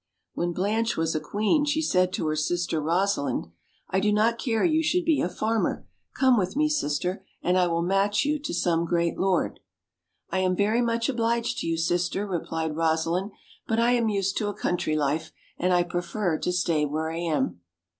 When Blanche was a queen she said to her sister Rosalind, "I do not care you should be a farmer; come with me, sister, and I will match you to some great lord." "I!am very much obliged to you, sister," replied Roaslind; "but I am used to a country life, and I pre fer to stay where I am."